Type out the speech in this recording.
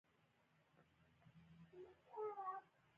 عطرونه د پوستکي د ډول سره متاثره کیږي.